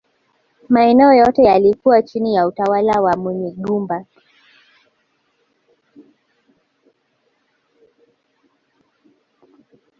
Maeneo yote yaliyokuwa chini ya utawala wa Munyigumba